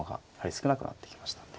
やはり少なくなってきましたので。